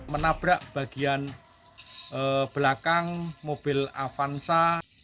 menabrak bagian belakang mobil avanza